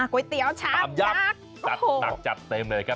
ก๋วยเตี๋ยวชักยักษ์โอ้โฮตามยับจัดหนักจัดเต็มเลยครับ